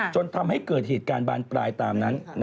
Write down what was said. จนทำให้เกิดเหตุการณ์บานปลายตามนั้น